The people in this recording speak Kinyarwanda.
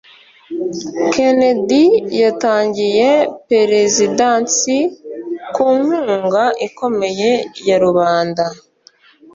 kennedy yatangiye perezidansi ku nkunga ikomeye ya rubanda